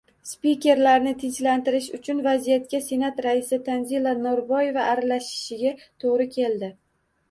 Spikerlarni tinchlantirish uchun vaziyatga Senat raisi Tanzila Norboyeva aralashishiga to‘g‘ri keldi